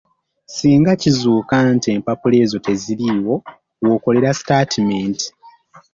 Singa kizuuka nti empapula ezo teziriiwo w’okolera sitaatimenti.